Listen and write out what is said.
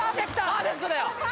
パーフェクトだよ！